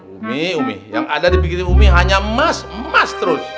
ummih ummih yang ada di pikirin ummih hanya emas emas terus